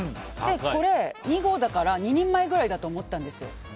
これ、２合だから２人前ぐらいだと思ったんですよ。